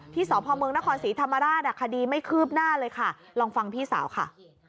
สพเมืองนครศรีธรรมราชคดีไม่คืบหน้าเลยค่ะลองฟังพี่สาวค่ะ